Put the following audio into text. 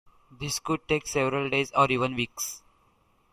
This could take several days or even weeks.